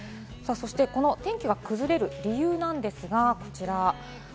天気が崩れる理由なんですが、こちらです。